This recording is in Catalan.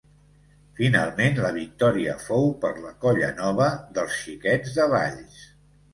Finalment la victòria fou per la Colla Nova dels Xiquets de Valls.